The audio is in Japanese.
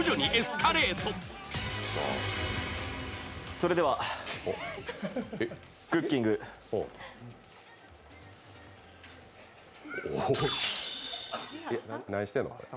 それではクッキング何してんの？